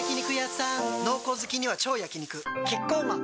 濃厚好きには超焼肉キッコーマン